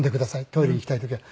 トイレに行きたい時は。